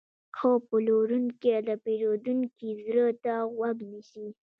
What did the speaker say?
ښه پلورونکی د پیرودونکي زړه ته غوږ نیسي.